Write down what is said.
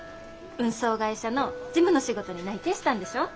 運送会社の事務の仕事に内定したんでしょ？